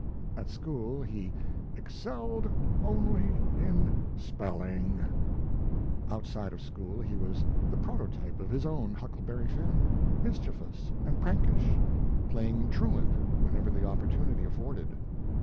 At school, he "excelled only in spelling"; outside of school he was the prototype of his own Huckleberry Finn, mischievous and prankish, playing truant whenever the opportunity afforded.